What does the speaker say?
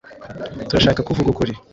Turashaka ko uvuga ukuri.